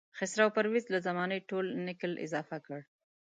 خسرو پرویز له زمانې ټول نکل اضافه کړ.